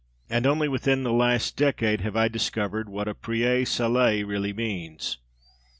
And only within the last decade have I discovered what a Pré Salé really means.